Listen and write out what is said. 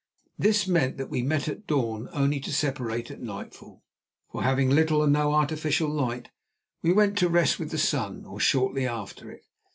This meant that we met at dawn only to separate at nightfall, for, having little or no artificial light, we went to rest with the sun, or shortly after it.